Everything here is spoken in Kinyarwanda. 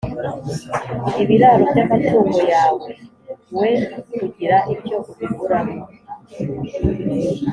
ibiraro by’amatungo yawe, We kugira icyo ubiburamo.